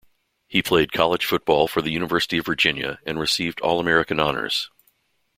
He played college football for the University of Virginia and received All-American honors.